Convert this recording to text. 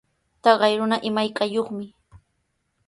Taqay runa imaykayuqmi.